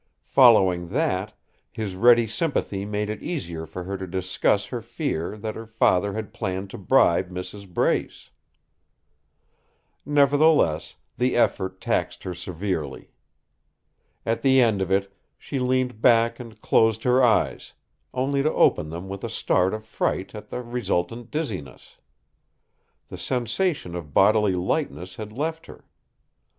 Following that, his ready sympathy made it easier for her to discuss her fear that her father had planned to bribe Mrs. Brace. Nevertheless, the effort taxed her severely. At the end of it, she leaned back and closed her eyes, only to open them with a start of fright at the resultant dizziness. The sensation of bodily lightness had left her.